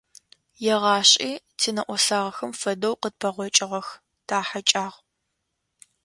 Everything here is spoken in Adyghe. Егъашӏи тинэӏосагъэхэм фэдэу къытпэгъокӏыгъэх, тахьэкӏагъ.